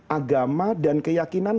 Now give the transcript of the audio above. agama dan keyakinan